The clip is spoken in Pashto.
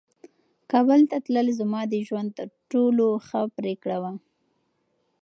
کابل ته تلل زما د ژوند تر ټولو ښه پرېکړه وه.